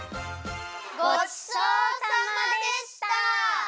ごちそうさまでした！